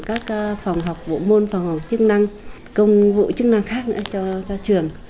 các phòng học vụ môn phòng học chức năng công vụ chức năng khác nữa cho trường